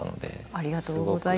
ありがとうございます。